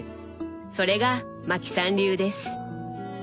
それがマキさん流です。